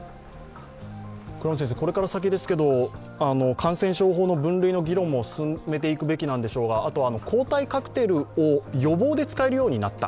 これから先、感染症法の分類の議論も進めていくべきでしょうが、あとは抗体カクテルを予防で使えるようになった。